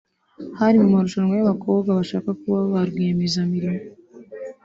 Hari mu marushanwa y’abakobwa bashaka kuba ba rwiyemezamirimo